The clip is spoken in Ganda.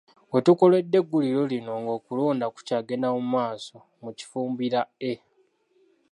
We tukoledde eggulire lino ng'okulonda kukyagenda mu maaso mu Kifumbira A.